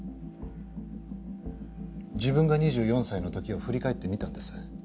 自分が２４歳の時を振り返ってみたんです。